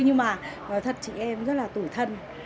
nhưng mà thật chị em rất là tủi thân